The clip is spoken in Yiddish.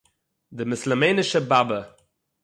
די מוסולמענישע באַבע